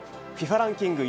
ランキング